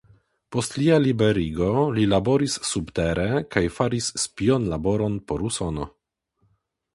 Post lia liberigo li laboris subtere kaj faris spionlaboron por Usono.